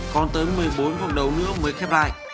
còn tới một mươi bốn vòng đấu nữa mới khép lại